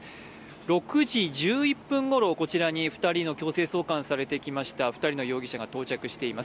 ６時１１分ごろこちらに強制送還されてきました２人の容疑者が到着しています。